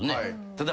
ただ。